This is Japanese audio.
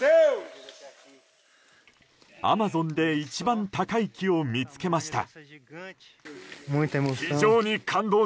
アマゾンで一番高い木を見つけました。